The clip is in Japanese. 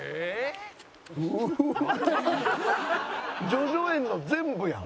叙々苑の全部やん！